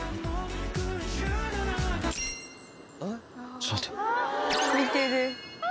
ちょっと待って。